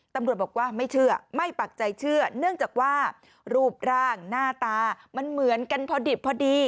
ตำรวจบอกว่าไม่เชื่อไม่ปักใจเชื่อเนื่องจากว่ารูปร่างหน้าตามันเหมือนกันพอดิบพอดี